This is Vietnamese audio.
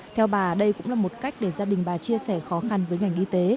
theo bà đây cũng là một cách để gia đình bà chia sẻ khó khăn với ngành y tế